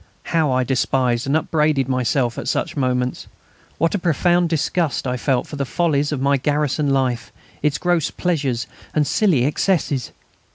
How I despised and upbraided myself at such moments! What a profound disgust I felt for the follies of my garrison life, its gross pleasures and silly excesses!